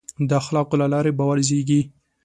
د اخلاقو له لارې باور زېږي.